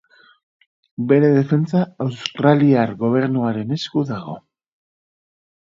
Bere defentsa australiar gobernuaren esku dago.